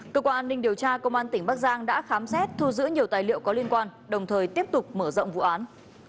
cơ quan an ninh điều tra công an tỉnh bắc giang đã khám xét thu giữ nhiều tài liệu có liên quan đồng thời tiếp tục mở rộng vụ án